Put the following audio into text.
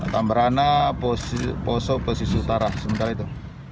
tambarana poso pesisir utara